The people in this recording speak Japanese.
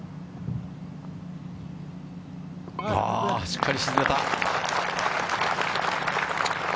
しっかり沈めた。